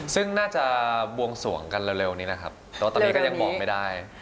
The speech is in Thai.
ซึ่งน่าจะบวงสวงกันเร็วนี้นะครับแต่ว่าตอนนี้ก็ยังบอกไม่ได้